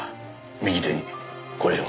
右手にこれを。